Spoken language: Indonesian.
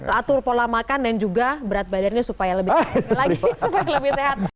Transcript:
atur pola makan dan juga berat badannya supaya lebih kesehatan lagi